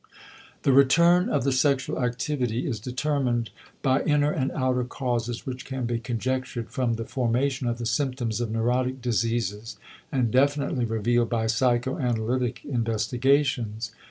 The return of the sexual activity is determined by inner and outer causes which can be conjectured from the formation of the symptoms of neurotic diseases and definitely revealed by psychoanalytic investigations.